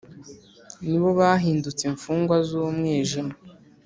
ni bo bahindutse imfungwa z’umwijima,